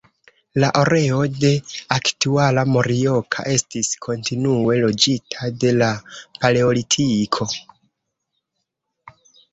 La areo de aktuala Morioka estis kontinue loĝita de la paleolitiko.